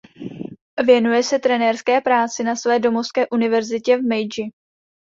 Věnuje se trenérské práci na své domovské univerzitě Meidži.